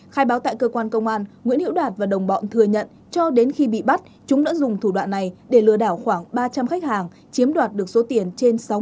khai báo tại cơ quan công an nguyễn hiệu đạt và đồng bọn thừa nhận cho đến khi bị bắt chúng đã dùng thủ đoạn này để lừa đảo khoảng ba trăm linh khách hàng chiếm đoạt được số tiền trên sáu tỷ đồng